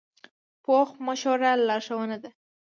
پوخ مشوره لارښوونه ده